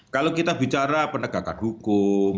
kalau kita bicara penegakan hukum